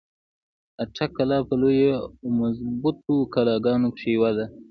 د اټک قلا په لويو او مضبوطو قلاګانو کښې يوه ده۔